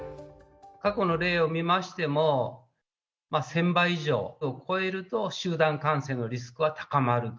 過去の例を見ましても、１０００倍以上を超えると、集団感染のリスクは高まると。